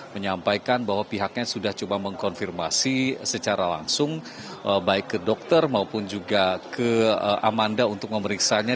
menyampaikan bahwa pihaknya sudah coba mengkonfirmasi secara langsung baik ke dokter maupun juga ke amanda untuk memeriksanya